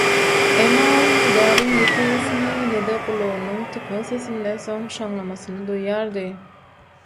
Emma ol ne däriň ýiti ysyny, ne-de gulagynyň tüpeň sesinden soň şaňlamasyny duýýardy.